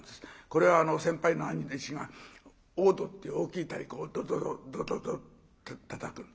これは先輩の兄弟子が大胴っていう大きい太鼓をドドドドドドってたたく。